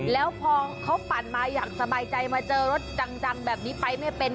แล้วพอเขาปั่นมาอย่างสบายใจมาเจอรถจังแบบนี้ไปไม่เป็น